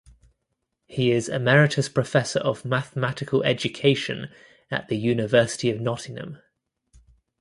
He is Emeritus Professor of Mathematical Education at the University of Nottingham.